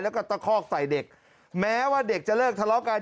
แล้วก็ตะคอกใส่เด็กแม้ว่าเด็กจะเลิกทะเลาะกัน